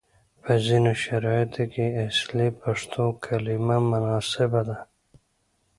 په ځینو شرایطو کې اصلي پښتو کلمه مناسبه ده،